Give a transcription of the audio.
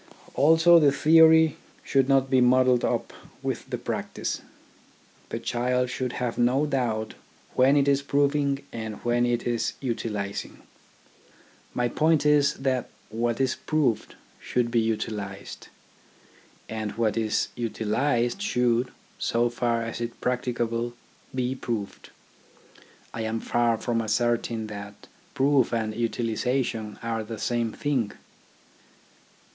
Also the theory should not be muddled up with the practice. The child should have no doubt when it is proving and when it is utilising. My point is that what is proved should be utilised, and that what is utilised should — so far as is practicable — be proved. I am far from assert ing that proof and utilisation are the same thing.